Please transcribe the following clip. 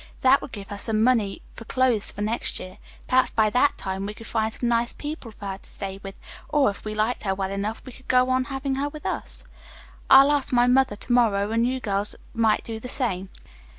That would give her some money for clothes for next year. Perhaps by that time we could find some nice people for her to stay with, or if we liked her well enough, we could go on having her with us. I'll ask my mother to morrow, and you girls might do the same."